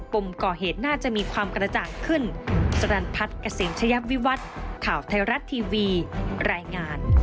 ปมก่อเหตุน่าจะมีความกระจ่างขึ้น